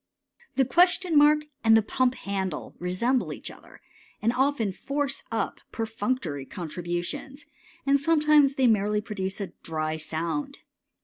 The question mark and the pump handle resemble each other, and often force up perfunctory contributions, and sometimes they merely produce a dry sound.